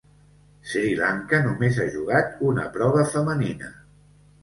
Sri Lanka només a jugat una prova femenina.